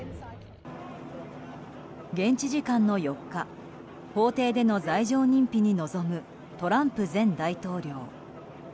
現地時間の４日法廷での罪状認否に臨むトランプ前大統領。